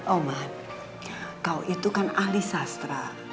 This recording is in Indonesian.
oman kau itu kan ahli sastra